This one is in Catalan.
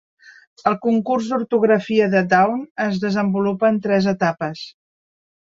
El concurs d'ortografia de Dawn es desenvolupa en tres etapes.